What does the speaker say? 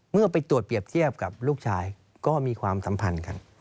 เมื่อไปตรวจเปรียบเทียบกับลูกชายก็มีความสัมพันธ์กัน